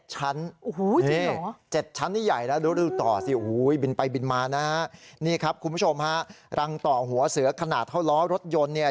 จริงเหรอ๗ชั้นนี่ใหญ่นะดูต่อสิบินไปบินมานะนี่ครับคุณผู้ชมฮะรังต่อหัวเสือขนาดเท่าล้อรถยนต์เนี่ย